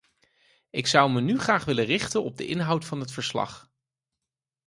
Ik zou me nu graag willen richten op de inhoud van het verslag.